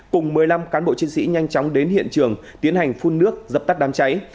cùng một mươi năm cán bộ chiến sĩ nhanh chóng đến hiện trường tiến hành phun nước dập tắt đám cháy